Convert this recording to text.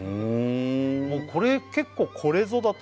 もうこれ結構これぞだと思う